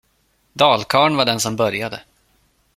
Dalkarlen var den som började.